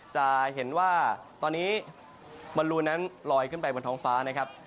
จะเห็นว่าตอนนี้บอลลูนั้นลอยขึ้นไปบนท้องฟ้านะครับ